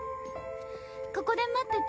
ここで待ってて。